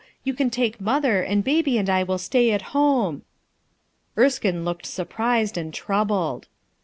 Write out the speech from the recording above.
You can take mother, and baby and I will stay at home " Erskine looked surprised and troubled.